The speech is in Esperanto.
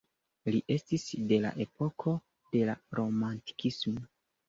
Li estis de la epoko de la Romantikismo.